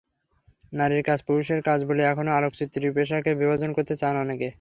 নারীর কাজ, পুরুষের কাজ বলে এখনো আলোকচিত্রীর পেশাকে বিভাজন করতে চান অনেকে।